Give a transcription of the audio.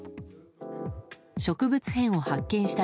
植物片を発見した